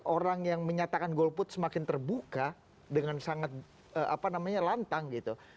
orang yang menyatakan golput semakin terbuka dengan sangat lantang gitu